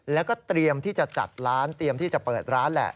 แล้วก็เตรียมที่จะจัดร้านเตรียมที่จะเปิดร้านแหละ